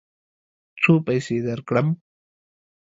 څو پیسې درکړم؟